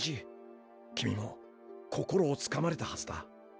君も心をつかまれたはずだ。